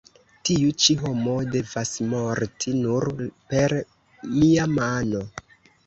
Tiu ĉi homo devas morti nur per mia mano.